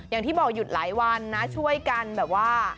อย่างที่บอกหยุดหลายวันนะช่วยกันแบบว่า